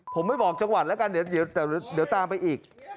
ผมไม่บอกจังหวัดแล้วกันเดี๋ยวตามไปอีก